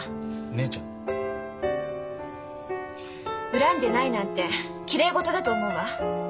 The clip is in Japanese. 恨んでないなんてきれい事だと思うわ。